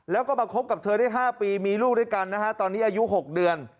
แล้วก็มาคบกับเธอได้๕ปีมีลูกด้วยกันนะฮะตอนนี้อายุ๖เดือน